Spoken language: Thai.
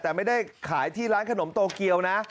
แต่ไม่ได้ขายที่ร้านขนมโตเกียวนะ